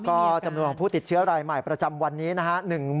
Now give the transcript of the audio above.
ก็จำนวนของผู้ติดเชื้อรายใหม่ประจำวันนี้นะฮะ